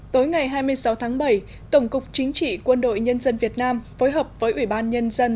tối ngày hai mươi sáu tháng bảy tổng cục chính trị quân đội nhân dân việt nam phối hợp với ủy ban nhân dân